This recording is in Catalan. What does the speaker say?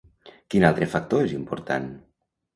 Quin altre factor és important?